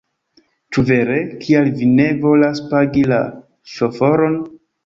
Ĉu vere? Kial vi ne volas pagi la ŝoforon?